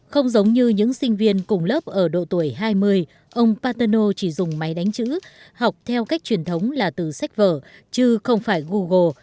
không giống như những sinh viên cùng lớp ở độ tuổi hai mươi ông paterno chỉ dùng máy đánh chữ học theo cách truyền thống là từ sách vở chứ không phải google